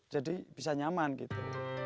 jadi bisa nyaman gitu